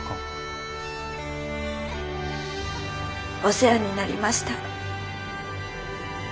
お世話になりました。